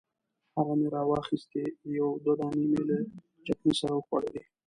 هغه مې راواخیستې یو دوه دانې مې له چکني سره وخوړلې.